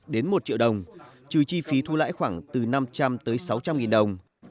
đến một triệu đồng trừ chi phí thu lãi khoảng từ năm trăm linh tới sáu trăm linh nghìn đồng